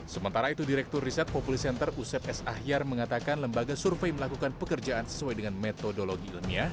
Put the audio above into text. sementara itu direktur riset populi center usep s ahyar mengatakan lembaga survei melakukan pekerjaan sesuai dengan metodologi ilmiah